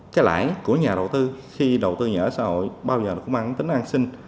cái lãi của nhà đầu tư khi đầu tư nhà ở xã hội bao giờ nó cũng mang tính an sinh